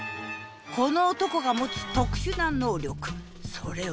この男が持つ特殊な「能力」それは。